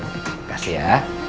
terima kasih ya